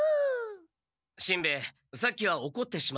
しんべヱさっきはおこってしまってすまなかった。